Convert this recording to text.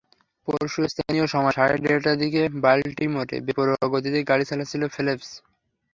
পরশু স্থানীয় সময় রাত দেড়টার দিকে বাল্টিমোরে বেপরোয়া গতিতে গাড়ি চালাচ্ছিলেন ফেল্প্স।